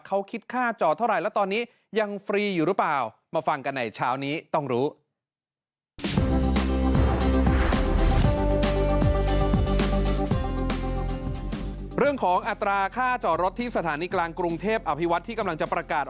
เขาคิดค่าจอเท่าไหร่และตอนนี้ยังฟรีอยู่หรือเปล่า